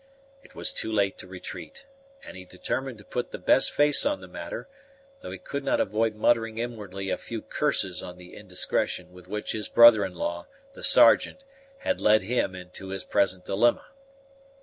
It was too late to retreat; and he determined to put the best face on the matter, though he could not avoid muttering inwardly a few curses on the indiscretion with which his brother in law, the Sergeant, had led him into his present dilemma.